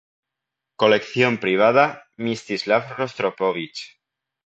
Colección privada Mstislav Rostropovich.